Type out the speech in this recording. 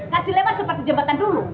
kasih lebar seperti jembatan dulu